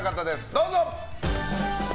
どうぞ！